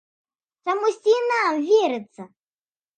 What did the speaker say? Чамусьці і нам верыцца!